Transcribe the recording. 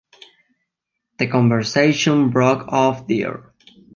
The conversation broke off there.